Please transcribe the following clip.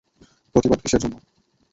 প্রতিবাদ কিসের জন্য?